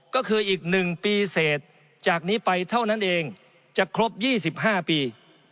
ก็คืออีกหนึ่งปีเศษจากนี้ไปเท่านั้นเองจะครบยี่สิบห้าปี